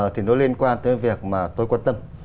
thì nó liên quan tới việc mà tôi quan tâm